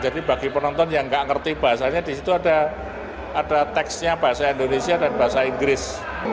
jadi bagi penonton yang nggak ngerti bahasanya di situ ada tekstnya bahasa indonesia dan bahasa inggris